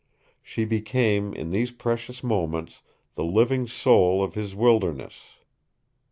She became, in these precious moments, the living soul of his wilderness.